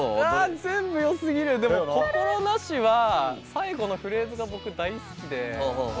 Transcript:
あ全部よすぎる！でも「心做し」は最後のフレーズが僕大好きで。